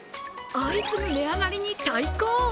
相次ぐ値上がりに対抗！